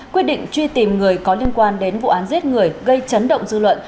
quyết định truy tìm người có liên quan đến vụ án giết người gây chấn động dư luận